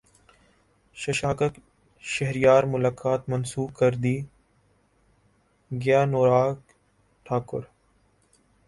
ششانک شہریار ملاقات منسوخ کردی گئیانوراگ ٹھاکر